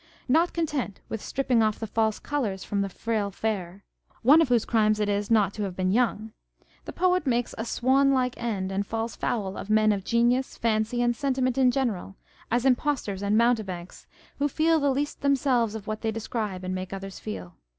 Not content with stripping off the false colours from the frail fair (one of whose crimes it is not to have been young) the poet makes a " swan like end," and falls foul of men of genius, fancy, and sentiment in general, as impostors and mountebanks, who feel the least themselves of what they describe and make others feel.